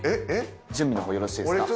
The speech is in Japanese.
準備のほうよろしいですか。